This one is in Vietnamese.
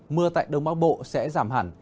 mưa tại đông bắc bộ sẽ giảm hẳn